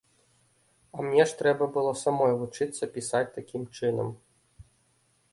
А мне ж трэба было самой вучыцца пісаць такім чынам!